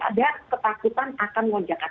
ada ketakutan akan lonjakan